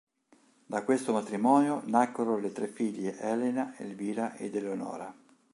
Da questo matrimonio nacquero le tre figlie Elena, Elvira ed Eleonora.